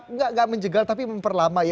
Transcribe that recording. enggak enggak menjegal tapi memperlama ya